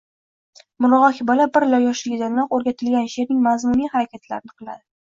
murg‘ak bola bir yoshligidayoq o‘rgatilgan sheʼrning mazmuniy harakatlarni qiladi.